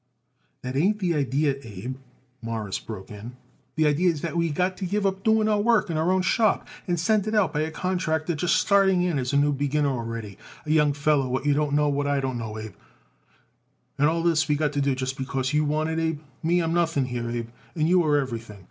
"That ain't the idee, Abe," Morris broke in; "the idee is that we got to give up doing our work in our own shop and send it out by a contractor just starting in as a new beginner already a young feller what you don't know and I don't know, Abe and all this we got to do just because you want it, Abe. Me, I am nothing here, Abe, and you are everything.